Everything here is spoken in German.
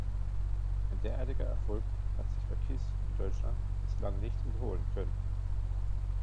Ein derartiger Erfolg hat sich für Kiss in Deutschland bislang nicht wiederholen können.